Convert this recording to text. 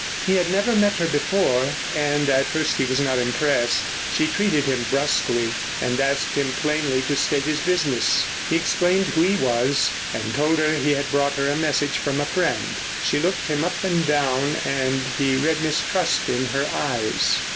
He had never met her before, and at first he was not impressed. She treated him brusquely, and asked him plainly to state his business. He explained who he was and told her he had brought her a message from a friend. She looked him up and down, and he read mistrust in her eyes.